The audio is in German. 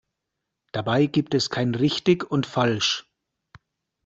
Dabei gibt es kein Richtig und Falsch.